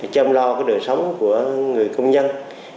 chăm lo cái đời sống của người công nhân